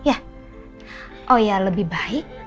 oh iya lebih baik